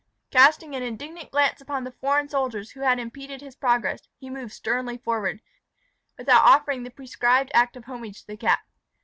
Casting an indignant glance upon the foreign soldiers who had impeded his progress, he moved sternly forward, without offering the prescribed act of homage to the cap.